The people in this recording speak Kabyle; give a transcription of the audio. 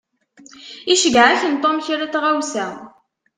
Iceyyeɛ-ak-n Tom kra n tɣawsa.